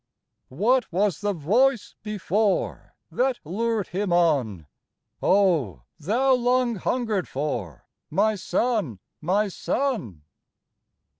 What was the voice before That lured him on ?" Oh, thou long hungered for, My son, my son